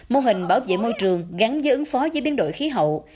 mô hình bảo vệ môi trường gắn với ứng phó với biến đổi khí hậu